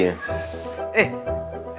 eh eh kakaknya gina